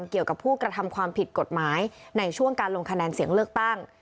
เกี่ยวกับผู้กระทำความผิดกฎหมายในช่วงการลงคะแนนเสียงเลือกตั้ง